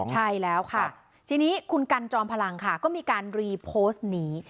ใช่แล้วค่ะทีนี้คุณกันจอมพลังค่ะก็มีการรีโพสต์นี้